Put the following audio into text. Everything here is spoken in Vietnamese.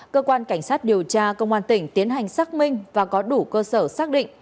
cơ quan cảnh sát điều tra công an tỉnh tiến hành xác minh và có đủ cơ sở xác định